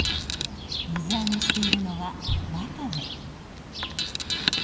水揚げしているのはワカメ。